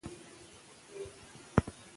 د کور اصلاح د ښو اخلاقو له زده کړې پیلېږي.